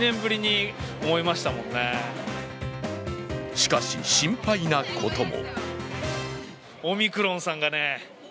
しかし、心配なことも。